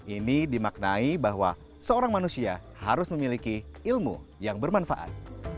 ini dimaknai bahwa seorang manusia harus memiliki ilmu yang bermanfaat